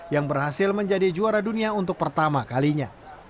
yang berhasil menjadi juara dunia untuk pertama kalinya